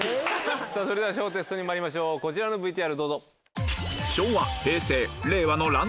さぁ小テストにまいりましょうこちらのＶＴＲどうぞ。